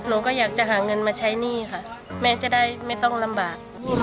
หนูก็อยากจะหาเงินมาใช้หนี้ค่ะแม่จะได้ไม่ต้องลำบาก